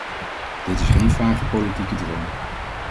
Dit is geen vage politieke droom.